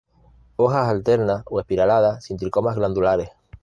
Hojas alternas o espiraladas, sin tricomas glandulares.